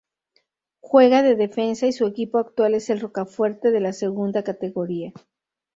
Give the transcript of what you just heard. Juega de defensa y su equipo actual es el Rocafuerte de la Segunda Categoría.